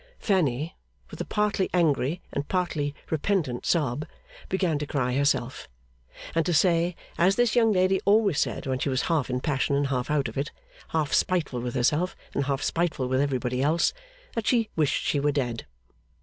Fanny, with a partly angry and partly repentant sob, began to cry herself, and to say as this young lady always said when she was half in passion and half out of it, half spiteful with herself and half spiteful with everybody else that she wished she were dead.